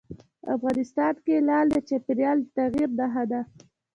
افغانستان کې لعل د چاپېریال د تغیر نښه ده.